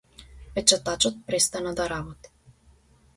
Печатачот престана да работи.